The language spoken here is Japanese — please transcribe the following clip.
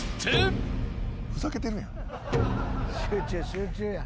集中や。